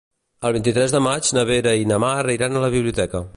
El vint-i-tres de maig na Vera i na Mar iran a la biblioteca.